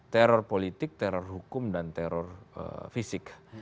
teror politik teror hukum dan teror fisik